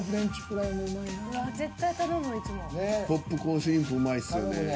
ポップコーンシュリンプうまいっすよね。